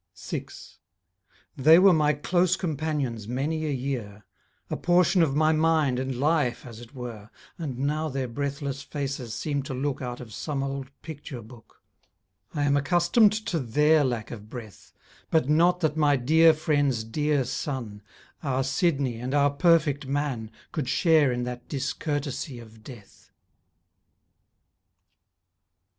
6 They were my close companions many a year, A portion of my mind and life, as it were, And now their breathless faces seem to look Out of some old picture book; I am accustomed to their lack of breath, But not that my dear friend's dear son, Our Sidney and our perfect man, Could share in that discourtesy of death.